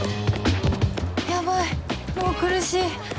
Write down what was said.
ヤバいもう苦しい